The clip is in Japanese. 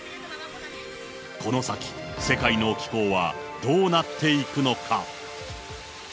この先、世界の気候はどうなっていくのか。